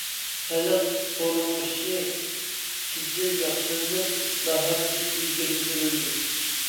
خەلق تۇرمۇشى سىجىل ياخشىلىنىپ، ئىسلاھات تېز ئىلگىرى سۈرۈلدى.